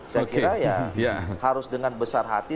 saya kira ya harus dengan besar hati